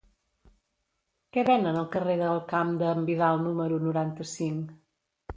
Què venen al carrer del Camp d'en Vidal número noranta-cinc?